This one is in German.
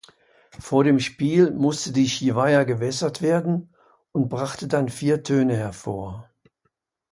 Vor dem Spiel musste die "shiwaya" gewässert werden und brachte dann vier Töne hervor.